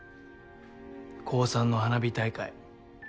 高３の花火大会。